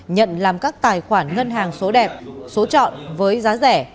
nhận làm các tài khoản ngân hàng số đẹp số chọn với giá rẻ